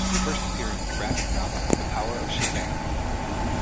First appearing in the graphic novel The Power of Shazam!